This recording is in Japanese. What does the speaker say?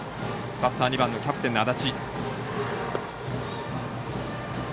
バッター２番のキャプテンの安達。